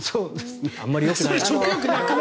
あんまりよくないな。